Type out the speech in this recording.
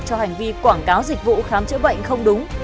cho hành vi quảng cáo dịch vụ khám chữa bệnh không đúng